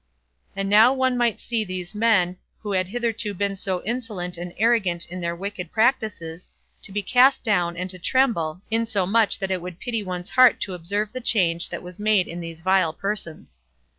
And now one might see these men, who had hitherto been so insolent and arrogant in their wicked practices, to be cast down and to tremble, insomuch that it would pity one's heart to observe the change that was made in those vile persons.